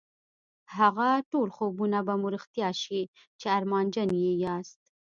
هغه ټول خوبونه به مو رښتيا شي چې ارمانجن يې ياست.